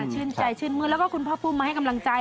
ชื่นใจชื่นมือคุณพ่อภุมมาให้กำลังใจ